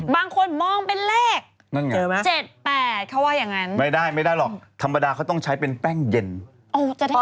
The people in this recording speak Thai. ตางูด้วยโพสเทคก็ไม่ได้ถ้าไม่ได้เย็นจะได้ขึ้นเลข